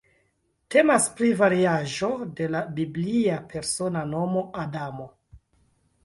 Temas pri variaĵo de la biblia persona nomo Adamo.